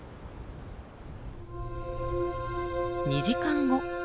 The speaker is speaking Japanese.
２時間後。